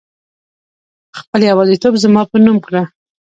خپل يوازيتوب زما په نوم کړه